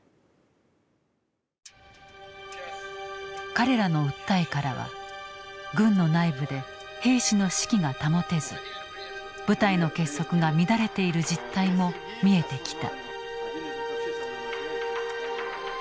彼らの訴えからは軍の内部で兵士の士気が保てず部隊の結束が乱れている実態も見えてきた。